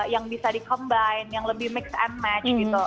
yang bisa di combine yang lebih mix and match gitu